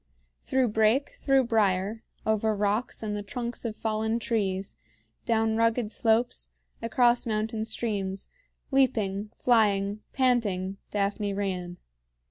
Through brake, through brier, over rocks and the trunks of fallen trees, down rugged slopes, across mountain streams, leaping, flying, panting, Daphne ran.